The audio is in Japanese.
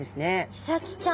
イサキちゃん。